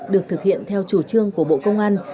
được thực hiện theo chủ trương của bộ công an